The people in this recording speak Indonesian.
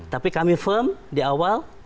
tapi kami firm di awal